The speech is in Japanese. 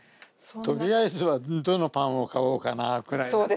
とりあえずはどのパンを買おうかなくらい。